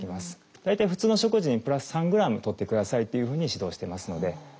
大体普通の食事にプラス３グラムとってくださいっていうふうに指導してますので。